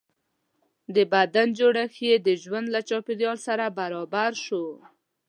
د بدن جوړښت یې د ژوند له چاپېریال سره برابر شو.